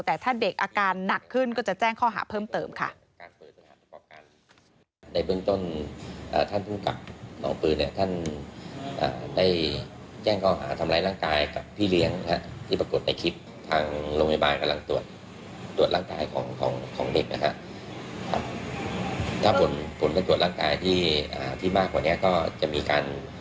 แต่ถ้าเด็กอาการหนักขึ้นก็จะแจ้งข้อหาเพิ่มเติมค่ะ